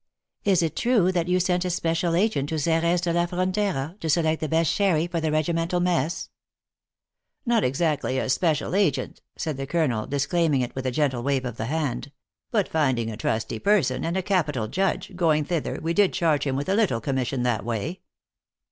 Is it true that you sent a special agent to Xeres de la Frontera, to select the best sherry for the regimental mess ?"" Not exactly a special agent," said the colonel, dis claiming it with a gentle wave of the hand; "but, finding a trusty person, and a capital judge, going 32 THE ACTRESS IN HIGH LIFE. thither, we did charge him with a little commission that way."